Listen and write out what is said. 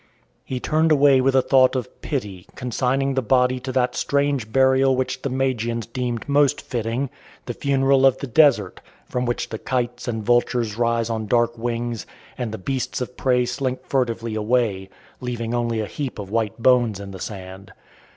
He turned away with a thought of pity, consigning the body to that strange burial which the Magians deem most fitting the funeral of the desert, from which the kites and vultures rise on dark wings, and the beasts of prey slink furtively away, leaving only a heap of white bones in the sand.